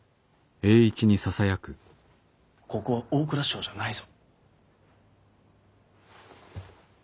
ここは大蔵省じゃないぞ。